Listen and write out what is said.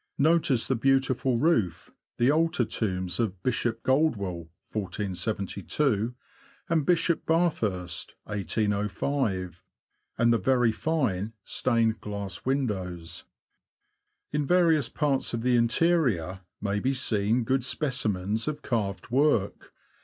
Notice the beautiful roof, the altar tombs of Bishop Goldwell (1472) and Bishop Bathurst (1805), and the very fine stained glass windows. In various parts of the interior may be seen good specimens of carved work.